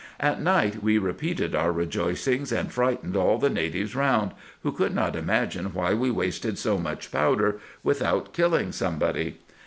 At night we repeated our re joicings, and frightened all the natives round, who could not imagine why we wasted so much powder without killing somebody.